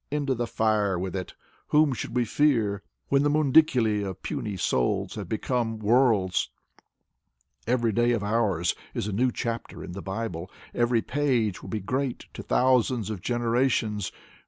Into the fire with it. ... Whom should we fear? When the mundiculi of puny souls have become — ^worlds. Every day of ours is a new chapter in the Bible. Every page will be great to thousands of generations.